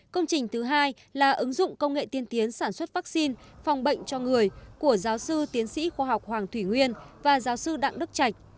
công trình thứ hai là ứng dụng công nghệ tiên tiến sản xuất vaccine phòng bệnh cho người của giáo sư tiến sĩ khoa học hoàng thủy nguyên và giáo sư đặng đức trạch